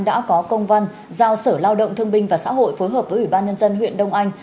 đã có công văn giao sở lao động thương binh và xã hội phối hợp với ủy ban nhân dân huyện đông anh